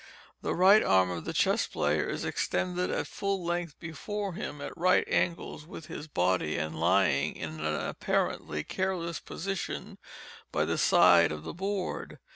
The right arm of the Chess Player is extended at full length before him, at right angles with his body, and lying, in an apparently careless position, by the side of the board.